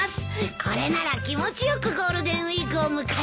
これなら気持ち良くゴールデンウィークを迎えられます。